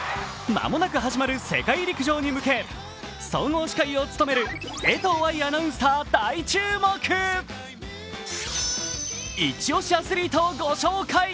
間もなく始まる世界陸上へ向け総合司会を務める江藤愛アナウンサー大注目、イチ押しアスリートをご紹介。